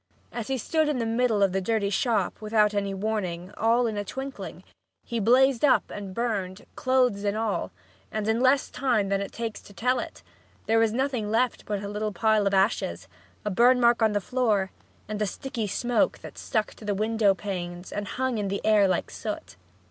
As he stood in the middle of the dirty shop, without any warning, all in a twinkling, he blazed up and burned, clothes and all, and in less time than it takes to tell it, there was nothing left but a little pile of ashes, a burnt mark in the floor and a sticky smoke that stuck to the window panes and hung in the air like soot.